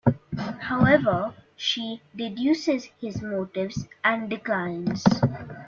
However, she deduces his motives and declines.